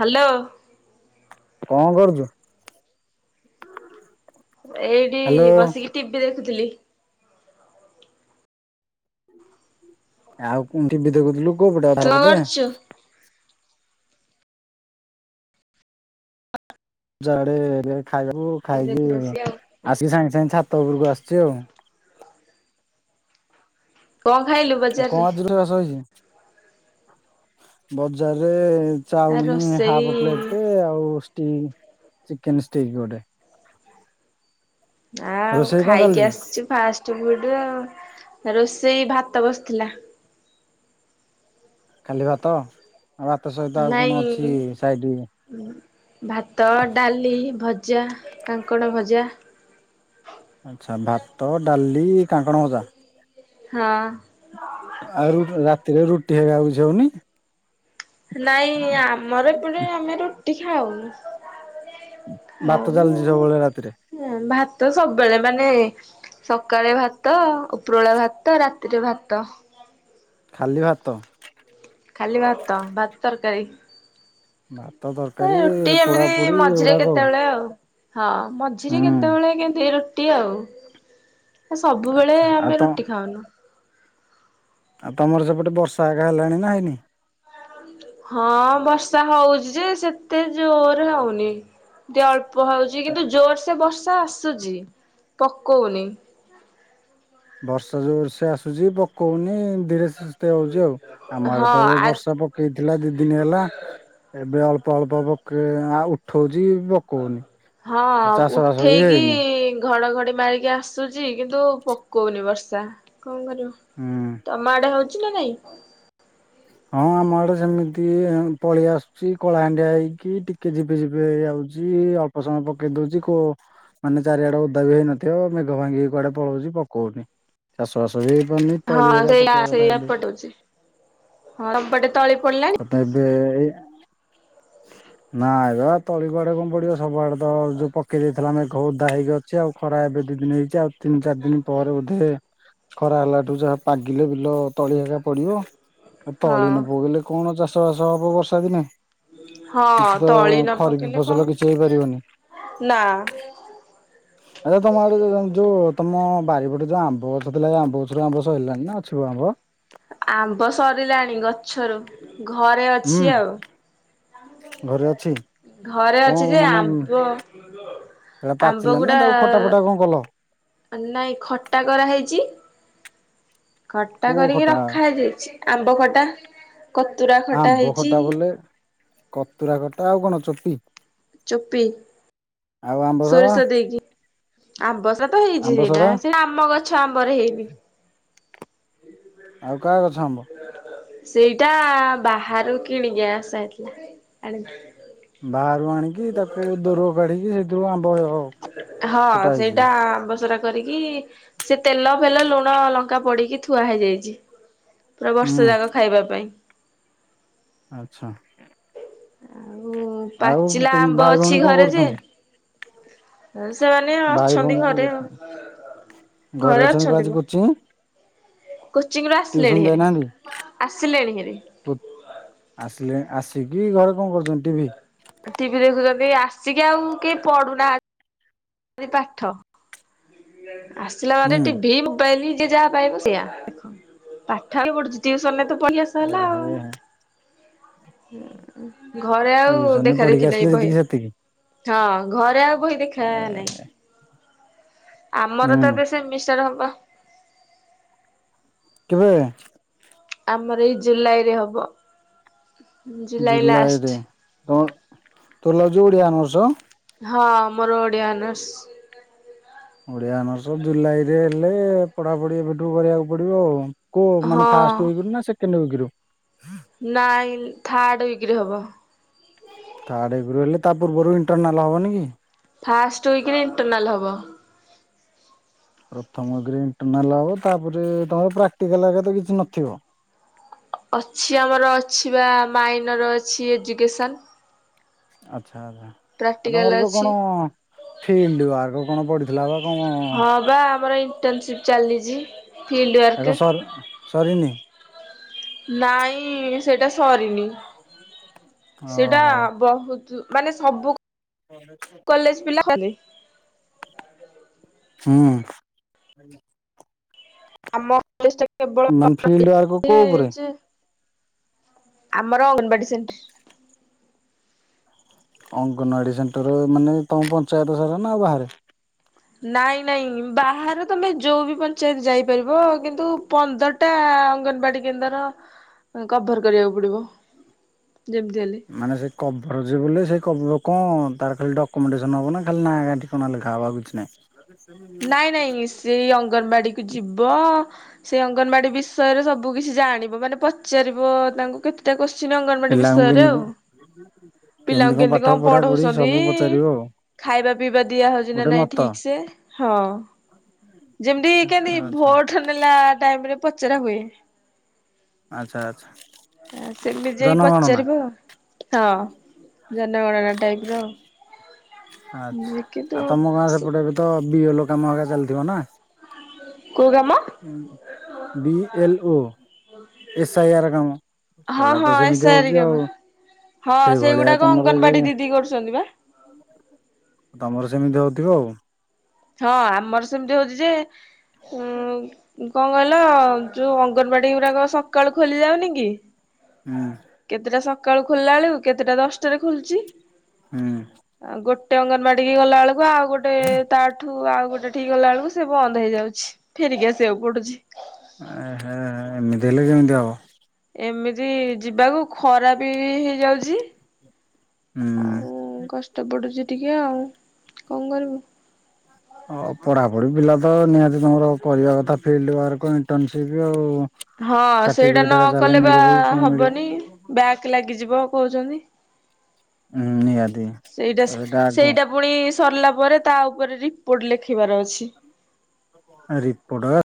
Hello. କଣ କରୁଛୁ? ଏଇଠି ହ୍ୟାଲୋ ବସିକି ଟିଭିି ଦେଖୁଥିଲି। ଆଉ କଉଠି ଟିଭି ଦେଖୁଥିଲୁ କୋଉ ପଟେ ତୁ କଣ ଅଧାର ପଟେ। କରୁଛୁ? ଆଡେ ଖାଇବାବୁ ଖାଇକି ଦେଖୁଛି ବସିକି ଆଉ। ଆସିକି ସାଙ୍ଗେ ସାଙ୍ଗେ ଛାତ ଉପରକୁ ଆସିୁଛି ଆଉ। କଣ ଖାଇଲୁ ବା? ଏ କଣ ଆଜିରୁ ଚାଷ ହେଇଛି। ବଜାରେ ଆ ଚାଉମିନ ରୋଷେଇ ହାପପ୍ଲେଟ ଆଉ ଚିକେନସ୍ଟିକ ଗୋଟେ। ଆ ଆଉ ରୋଷେଇ କଣ ଖାଇକି ଚାଲିଛି? ଆସିଛୁ ଫାଷ୍ଟ ଆଉ ରୋଷେଇ ଭାତ ବସିଥିଲା। ଖାଲି ଭାତ ଆଉ ଭାତ ସହିତ ଆଉ କଣ ନାଇଁ ଅଛି ସାଇଡ? ଭାତ ଡାଲି ଭଜା କାଙ୍କଣ ଭଜା। ଆଚ୍ଛା ଭାତ ଡାଲି କାଙ୍କଣ ଭଜା। ହଁ। ଆଉ ରାତିରେ ରୁଟି ହେକାଆଉ କିଛି ହଉନି? ନାଇଁ ଆମର ଏପଟେ ଆମେ ରୁଟି ଖାଉନୁ। ଭାତ ଚାଲିଛି ସବୁବେଳେ ରାତିରେ। ହୁଁ ଭାତ ସବୁବେଳେ ମାନେ ସକାଳେ ଭାତ ଉପର ବେଳା ଭାତ ରାତିରେ ଭାତ। ଖାଲି ଭାତ। ଖାଲି ଭାତ ଭାତ ତରକାରୀ। ଭାତ ତରକାରୀ। ଏ ରୁଟି ପୋଡା ଏମିତି ପୋଡି ମଝିରେ ଏଗୁଡାକ କେତେବେଳେ ଆଉ ହଁ ମଝିରେ ହୁଁ କେତେବେଳେ କେମିତି ରୁଟି ଆଉ ସବୁବେଳେ ଆଚ୍ଛା ଆଉ ତ ଆମେ ରୁଟି ଖାଉନୁ। ଆଉ ତମର ସେପଟେ ବର୍ଷ ଏକା ହେଲାଣି ନା ହେଇନି। ହଁ ବର୍ଷା ହଉଛି ଯେ ସେତେ ଜୋରରେ ହଉନି ଅଳ୍ପ ଅଳ୍ପ ହଉଛି କିନ୍ତୁ ଜୋର ସେ ବର୍ଷା ଆସୁଛି ପକଉନି। ବର୍ଷା ଯୋଉ ବର୍ଷ ଆସୁଛି ପକଉନି ଧୀରେ ସୁସ୍ଥେ ହଉଛି ଆଉ ଆମ ହଁ ଆଡ଼େ ତ ଏବେ ଆ ବର୍ଷା ହେଇଥିଲା ଦି ଦିନ ହେଲା। ଏବେ ଅଳ୍ପ ଅଳ୍ପ ପକେଇ ଉଠଉଛି ପକଉନି। ହଁ ଚାଷ ବାସ ବି ଉଠେଇକି। ହେଇନି। ଘଡ଼ଘଡ଼ି ମାରିକି ଆସୁଛି କିନ୍ତୁ ପକଉନି ବର୍ଷା କଣ କରିବ ହୁଁ। ତମ ଆଡ଼େ ହଉଛି ନା ନାଇଁ? ହଁ ଆମ ଆଡ଼େ ସେମିତି ପଳେଇ ଆସୁଛି କଳାହାଣ୍ଡିଆ ହେଇକି ଟିକେ ଯଝିପି ଝିପି ହେଇ ଆଉଛି। ଅଳ୍ପ ସମୟ ପକେଇ ଦଉଛି କୋଉ। ମାନେ ଚାରିଆଡ଼େ ଓଦା ବି ହେଇନଥିବ ମେଘ ଭାଙ୍ଗିକି କୁଆଡ଼େ ପଳଉଛି ପକଉନି। ଚାଷ ବାଷ ବି ହେଇପାରୁନି ତଳି ଏକା ପକେଇବା କଥା ଏବେ। ହଉଛି। ହଁପଟେ ତଳି ପଡ଼ିଲାଣି? ଏବେ ଏ ନା ଏବେ ତଳିକୁୁଆଡ଼େ କଣ ପଡ଼ିବ ସବୁ ଆଡ଼େ ତ ତ ଯୋଉ ପକେଇ ଦେଇଥିଲା ଆମେ ଓଦା ହେଇକି ଅଛି ଆଉ ଖରା ଏବେ ଦି ଦିନ ହେଇଛି ଆଉ ତିନି ଚାର ଦିନ ପରେ ବୋଧେ ଖରା ହେଲାଠୁ ଯାହା ପାଗିଲେ ବିଲ ତଳି ଏକା ପଡ଼ିବ। ଆଉ ତଳି ହଁ ନ ପକେଇଲେ କଣ ଚାଷ ବାସ ହବ ବର୍ଷା ଦିନେ। ହଁ କିଛି ତ ତଳି ନ ଖରିଫ ପକେଇଲେ କଣ ଫସଲ କିଛି ହବ ହେଇପାରିବନି। ନା ଆଚ୍ଛା ତମ ଆଡ଼େ ଯୋଉ ତମ ବାରିପଟେ ଯୋଉ ଆମ୍ବ ଗଛ ଥିଲା ଏଇ ଆମ୍ବ ଗଛରୁ ଆମ୍ବ ସଇଲାଣିନା ଅଛି ବ ଆମ୍ବ? ଆମ୍ବ ସରିଲାଣି ଗଛରୁ ଘରେ ହୁଁ ଅଛି ଆଉ। ଘରେ ଅଛି। ଘରେ ଅଛି ଯେ ଆମ୍ବ ସେଇଟା ଆମ୍ବ ପାଚିଲା ନା ଗୁଡା ତାକୁ ଖଟା ଫଟା କଣ କଲ? ନାଇଁ ଖଟା କରାହେଇଛି। ଖଟା କୋଉ କରିକି ଖଟା ରଖା ହେଇଯାଇଛି ଆମ୍ବ ଖଟା କତୁରା ଖଟା ଆମ୍ବ ହେଇଛି। ବୋଲେ କତୁରା କଟା ଆଉ କଣ ଚଟି। ଚୁପି। ଆମ୍ବସରା ସୋରିଷ ଦେଇକି ଆମ୍ବ ସରା ତ ହେଇଛି ଆମ୍ବସରା ସେଇଟା ସେ ଆମ ଗଛ ଗଛ ଆମ୍ବରେ ହେଇନି। ଆଉ କାହା ଗଛ ଆମ୍ବ? ସେଇଟା ବାହାରୁ କିଣିକି ଆଶାହେଇଥିଲା ଆଣିଥିଲେ। ବାହାରୁ ଆଣିକି ତାକୁ ଦୋରୁଅ କାଢ଼ିକି [unintelligible] ହଁ ସେଇଟା ଆମ୍ବ ସରା କରିକି ସେ ତେଲ ଫେଲ ଲୁଣ ଲଙ୍କା ପଡ଼ିକି ଥୁଆ ହେଇଯାଇଛି ପୁରା ହୁଁ ବର୍ଷ ଯାକ ଖାଇବା ପାଇଁ। ଆଚ୍ଛା। ଆଉ ଆଉ ପାଚିଲା ତମ ଆମ୍ବ ଭାଇ ଅଛି ଭଉଣୀ କଣ ଘରେ ଯେ କରୁଛନ୍ତି? ସେମାନେ ଭାଇ ଅଛନ୍ତି ଭଉଣୀ କଣ ଘରେ କରୁଛନ୍ତି? ଘରେ କଣ ଆଜି ଅଛନ୍ତି ମ। କୋଚିଂ କୋଚିଂ ରୁ ଟିଉସନ ଆସିଲେଣି ହାରି ଆସିଲେଣି ହାରି। ତୁ ଆସିଲେଣି ଆସିକି ଘରେ କଣ କରୁଛନ୍ତି ଟିଭିି? ଟିଭି ଦେଖୁଛନ୍ତି ଆସିକି ଆଉ କେହି ପଡୁନାହାଁ ତି ପାଠ ଆସିଲା ମାନେ ହୁଁ ଟିଭି ମୋବାଇଲ ଯିଏ ଯାହା ପାଇବ ସେଆ ପାଠ ଆଉ କିଏ ପଢୁଛି। ଟୁଉସନରେ ତ ପଢ଼ିଆ ସଇଲା ଏହେ ଆଉ ଘରେ ଆଉ ଟିଉସନରେ ଦେଖା ପଢିକି ଦେଖି ଆସିଲେ ନାହିଁ ବହି। ଯେତିକି ସେତିକି ହଁ ଘରେ ଆଉ ବହି ଦେଖା ନାହିଁ। ଏହେ ଆମର ତ ହୁଁ ଏବେ ସେ ମିଷ୍ଟାର୍ ହବ। କେବେ? ଆମର ଏଇ ଜୁଲାଇରେ ହବ। July last. ଜୁଲାଇରେ ତ ତୁ ନେଇଛୁ ଓଡିଆ ଅନର୍ସ? ହଁ ମୋର ଓଡିଆ ଅନର୍ସ। ଓଡିଆ ଅନର୍ସ ଜୁଲାଇରେ ହେଲେ ପଢାପଢି ଏବେଠୁ କରିବାକୁ ପଡିବ ଆଉ। କୋ ମାନେ ହଁ। ଫାଷ୍ଟ ୱିକ୍ ରୁ ନା ସେକେଣ୍ଡ ୱିକରୁ? ନାଇଁ ଥାର୍ଡ଼ ୱିକରେ ହବ। ଥାର୍ଡ଼ ୱିକରେ ହେଲେ ତା ପୂର୍ବରୁ ଇଣ୍ଟରନାଲ୍ ହେବନି କି? ଫାଷ୍ଟ ୱିକରେ ଇଣ୍ଟରନାଲ ହବ। ପ୍ରଥମ କି ଇଣ୍ଟରନାଲ ହବ ତାପରେ ତମର ପ୍ରାକ୍ଟିକାଲ ହେରିକା ତ କିଛି ନଥିବ। ଅଛି ଆମର ଅଛି ବା ମାଇନର ଅଛି ଏଜୁକେସନ୍। ଆଚ୍ଛା ଆ ଜା ଆଉ ପ୍ରାକ୍ଟିକାଲ ତମର ଯୋଉ ଅଛି କଣ ଫିଲ୍ଡ ୱାର୍କ କଣ ପଡିଥିଲା ବା କ ହଁ ବା ଆମର ଇଣ୍ଟର୍ନସିପ ଚାଲିଛି। ଫିଲ୍ଡ ଆ ୱାର୍କ କଁ ସର୍ ସରିନି? ନାଇଁ ସେଟା ସରିନି ସେଟା ଓହୋ ବହୁତ ଜୁ ମାନେ ସବୁ କ କଲେଜ ପିଲା ହେବେ ହୁଁ। ଆମ କଲେଜଟା କେବଳ ମାନେ ଫିଲ୍ଡ ୱାର୍କ କୋଉ ଉପରେ? [unintelligible] ଚି। ଆମର ଅଙ୍ଗନବାଡ଼ି ସେଣ୍ଟ ଅଙ୍ଗନୱାଡ଼ି ସେଣ୍ଟର ମାନେ ତମ ପଞ୍ଚାୟତ ସାରା ନା ଆଉ ବାହାରେ। ନାଇଁ ନାଇଁ ଉ ବାହାରେ ତମେ ଯୋଉ ବି ପଞ୍ଚାୟତ ଯାଇପାରିବ କିନ୍ତୁ ପନ୍ଦର ଟା ଅଙ୍ଗନବାଡି କେନ୍ଦ୍ର ଆ କଭର କରିବାକୁ ପଡିବ ଯେମିତି ହେଲେ। ମାନେ ସେ କଭରଯେବୁଲେ ସେ କଭର କଣ ତାର ଖାଲି ଡକ୍ୟୁମେଣ୍ଟେସନ୍ ହେବ ନା ଖାଲି ଗାଁ ନାଁ ଠିକ କ ନାଁ ଲେଖା ହବ ଆଉ କିଛି ନାହିଁ। ନାଇଁ ନାଇଁ ଶ୍ରୀ ଅଙ୍ଗନବାଡିକୁ ଯିବ। ସେ ଅଙ୍ଗନବାଡି ବିଷୟରେ ସବୁ କିଛି ଜାଣିବ ମାନେ ପଚାରିବ ତାଙ୍କୁ କେତ୍ ତେ କୋଶ୍ଚିନ ଅଙ୍ଗନବାଡି ପିଲାଙ୍କୁ ବିଷୟରେ କେମିତି କଣ ଆଉ। କେମିତି ପିଲାଙ୍କୁ କେମତି ପାଠ କଣ ପଢା ପଢି ପଢଉସନ୍ତି ସବୁ ପଚାରିବ ଆଉ ଖାଇବା ପିଇବା ଦିଆହଉଛି ନା ଗୋଟେ ନାଇଁ ମତ। ଠିକ୍ ସେ। ହଁ ଯେମତି ଆଚ୍ଛା କେମତି ଆଚ୍ଛା ଭୋଟ ନେଲା ଟାଇମରେ ପଚରା ହୁଏ। ଆଚ୍ଛା ଆଚ୍ଛା। ଆ ସେମିତି ଯାଇି ଜନଗଣନା ପଚାରିବ ହଁ ଜନଗଣନା ଟାଇପର। ଆଛା ଆଉ ତମ ଗାଁ ସେପଟେ ଏବେ ତ ବି ଏଲ କାମ ଆକା ଚାଲିଥିବ ନା? କଉ କାମ? B L O. S I R କାମ ହଁ ସେଗୁଡା ହଁ ତ ସେମିତି ଏସାରି ହଉଛି କାମ ଆଉ। ହଁ ସେଇ ଭଳିଆ ସେଇଗୁଡାକ ତମର ଏବେ ଅଙ୍ଗନବାଡି ଦିଦି କରୁଛନ୍ତି ବା। ତମର ସେମିତି ହଉଥିବ ଆଉ। ହଁ ଆମର ସେମିତି ହଉଛି ଯେ ଉଁ କଣ କହିଲ ଯୋଉ ଅଙ୍ଗନବାଡି ଗୁରାକ ସକାଳୁ ଖୋଲି ଯାଉନି କି। ହୁଁ। କେତେଟା ସକାଳୁ ଖୋଲିଲା ଳକୁ କେତେଟା ଦଶଟାରେ ଖୋଲୁଛି। ହୁଁ। ଆ ଗୋଟେ ଅଙ୍ଗନବାଡିିକି ଗଲା ବେଳକୁ ଆଉ ଗୋଟେ ଠୁ ଆଉ ଗୋଟେ ଠିକ ଗଲା ଳକୁ ସେ ବନ୍ଦ ହେଇଯାଉଛି ଫେରିକି ଆସିବାକୁ ପଡୁଛି। ଆ ହା ଆ ଏମିତି ହେଲେ କେମିତି ହବ। ଏମିତି ଯିବାକୁ ଖରା ବି ହେଇଯାଉଛି। ହୁଁ। ଆଉ କଷ୍ଟ ପଡୁଛି ଟିକେ ଆଉ କଣ କରିବୁ। ହ ପଢାପଢି ପିଲା ତ ନିହାତି ତମର କରିବା କଥା ଫିଲ୍ଡ ୱାର୍କ ଇଣ୍ଟର୍ନସିପ ଆଉ। ହଁ ସେଇଟା ସାର୍ଟିଫିକେଟ ନ ହେରା ତାହେଲେ କଲେ ବା ମିଳିବ କି କଣ ମିଳିବ? ହବନି ବ୍ୟାକ ଲାଗିଯିବ କହୁଛନ୍ତି। ହୁଁ ନିଆଦ ସେଇଟା ସେ ସେଇଟା ପୁଣି ସରିଲା ପରେ ତା ଉପରେ ରିପୋର୍ଟ ଲେଖିବାର ଅଛି। Report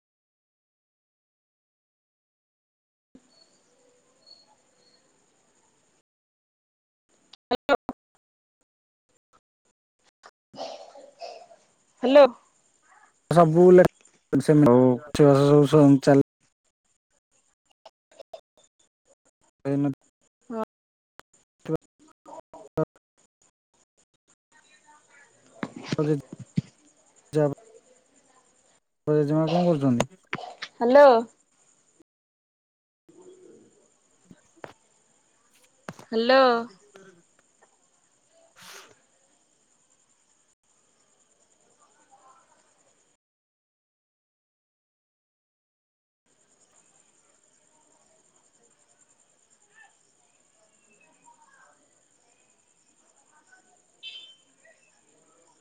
hello. ସବୁ [unintelligible] ଲା [unintelligible] ହଁ [unintelligible] ତ ଜେଜେମା କଣ କରୁଛନ୍ତି? ହାଲୋ। ହଁ ହ୍ୟାଲୋ। [inaudible]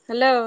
ହ୍ୟାଲୋ।